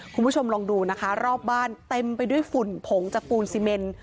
คุณผู้ชมลองดูนะคะรอบบ้านเต็มไปด้วยฝุ่นผงจากปูนซีเมน